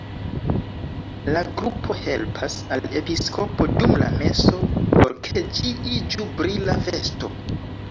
La grupo helpas al episkopo dum la meso, por ke ĝi iĝu brila festo.